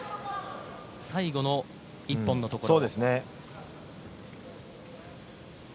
最後の１本のところ。